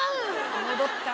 戻った。